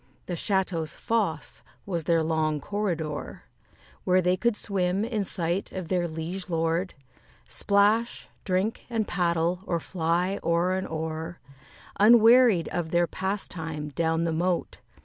The château's fosse was their long corridor, Where they could swim, in sight of their liege lord, Splash, drink, and paddle, or fly o'er and o'er, Unwearied of their pastime, down the moat.